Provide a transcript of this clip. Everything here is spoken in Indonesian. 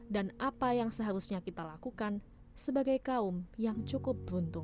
dan apa yang seharusnya kita lakukan sebagai kaum yang cukup beruntung